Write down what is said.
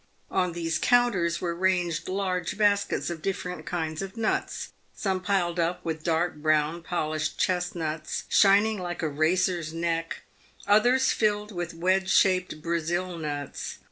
On these counters were ranged large baskets of dif ferent kinds of nuts, some piled up with dark brown polished chesnuts, shining like a racer's neck; others filled with wedge shaped Brazil nuts.